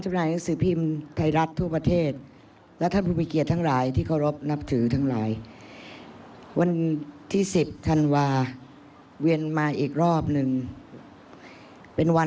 ชาวไทยรัฐเข้าสู่งานเลี้ยงผู้แทนจัดจำหน่าย